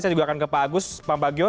saya juga akan ke pak agus pak bagio